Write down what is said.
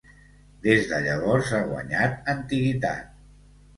Des de llavors ha guanyat antiguitat.